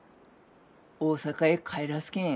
大阪へ帰らすけん。